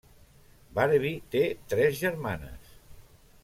Barbie té tres germanes.